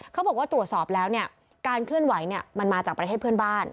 เขาบอกว่าตรวจสอบแล้วเนี่ยการเคลื่อนไหวมันมาจากประเทศเพื่อนบ้าน